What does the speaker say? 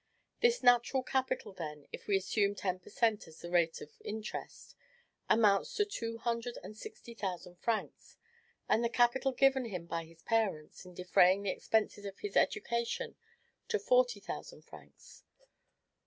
This natural capital, then, if we assume ten per cent. as the rate of interest, amounts to two hundred and sixty thousand francs; and the capital given him by his parents, in defraying the expenses of his education, to forty thousand francs.